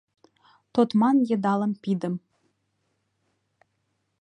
Тодман йыдалым пидым.